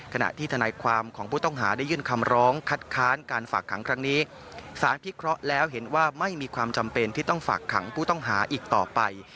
ขณะที่ทนายความของผู้ต้องหาได้ยื่นคำร้องคัดค้านการฝากขังครั้งนี้สารพิเคราะห์แล้วเห็นว่าไม่มีความจำเป็นที่ต้องฝากขังผู้ต้องหาอีกต่อไป